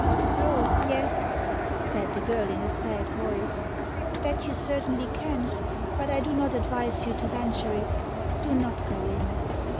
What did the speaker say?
"Oh, yes," said the girl in a sad voice, "that you certainly can, but I do not advise you to venture it. Do not go in."